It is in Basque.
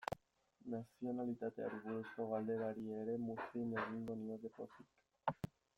Nazionalitateari buruzko galderari ere muzin egingo nioke pozik.